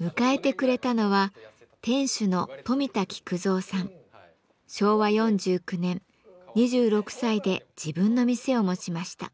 迎えてくれたのは昭和４９年２６歳で自分の店を持ちました。